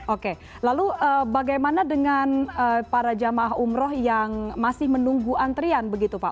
oke lalu bagaimana dengan para jamaah umroh yang masih menunggu antrian begitu pak